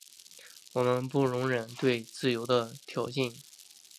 我们不容忍对自由的挑衅。